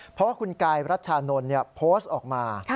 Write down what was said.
เพราะว่าคุณกายรัชชานนท์โพสต์ออกมา